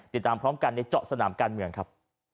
ติดตามพร้อมกันในเจาะสนามการเมืองครับ